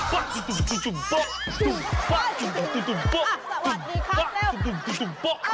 แร็ปแล้ว